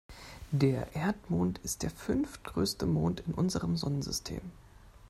Der Erdmond ist der fünftgrößte Mond in unserem Sonnensystem.